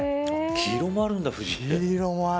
黄色もあるんだ藤って。